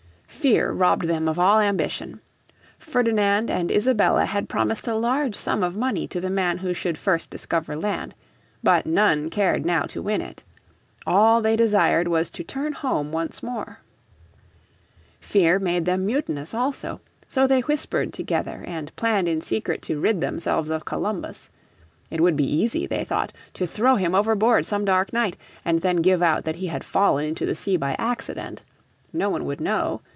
Fear robbed them of all ambition. Ferdinand and Isabella had promised a large sum of money to the man who should first discover land. But none cared now to win it. All they desired was to turn home once more. Fear made them mutinous also. So they whispered together and planned in secret to rid themselves of Columbus. It would be easy, they thought, to throw him overboard some dark night, and then give out that he had fallen into the sea by accident. No one would know.